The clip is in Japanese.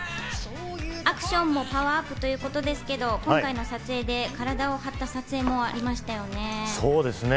アクションもパワーアップということですけど、今回の撮影では体を張った撮影もありましたよね。